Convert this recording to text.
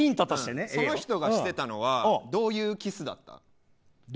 その人がしてたのはどういうキスだった。